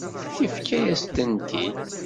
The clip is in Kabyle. Yefka-yas-tent-id.